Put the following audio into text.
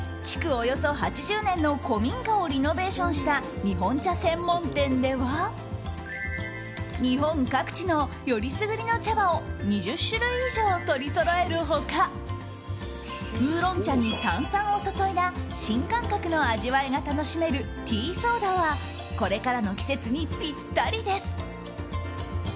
およそ８０年の古民家をリノベーションした日本茶専門店では、日本各地の選りすぐりの茶葉を２０種類以上取りそろえる他ウーロン茶に炭酸を注いだ新感覚の味わいが楽しめるティーソーダはこれからの季節にぴったりです。